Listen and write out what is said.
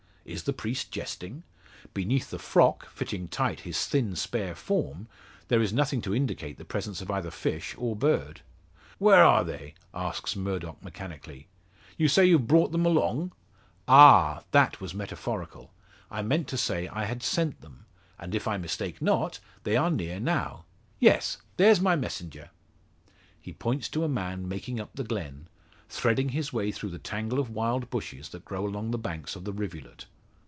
Is the priest jesting? Beneath the froc, fitting tight his thin spare form, there is nothing to indicate the presence of either fish or bird. "Where are they?" asks Murdock mechanically. "You say you've brought them along?" "Ah! that was metaphorical. I meant to say I had sent them. And if I mistake not, they are near now. Yes; there's my messenger!" He points to a man making up the glen, threading his way through the tangle of wild bushes that grow along the banks of the rivulet.